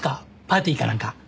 パーティーかなんか？